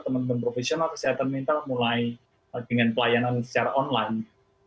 teman teman profesional kesehatan mental mulai dengan pelayanan secara online